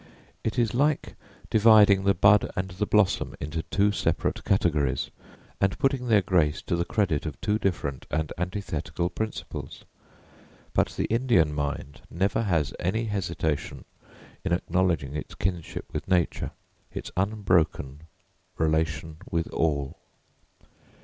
It is like dividing the bud and the blossom into two separate categories, and putting their grace to the credit of two different and antithetical principles. But the Indian mind never has any hesitation in acknowledging its kinship with nature, its unbroken relation with all.